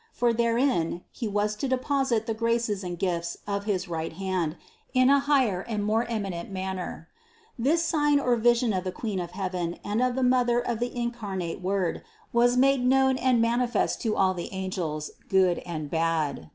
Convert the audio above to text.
For therein He was to deposit the graces and gifts of his right hand in a higher and more eminent manner. This sign or vision of the Queen of heaven and of the Mother of the incarnate Word was made known and manifest to all the angels, good and bad.